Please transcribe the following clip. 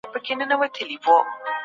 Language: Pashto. زه له تېر کال راهیسې خیاطي کوم.